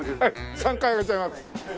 ３回あげちゃいます。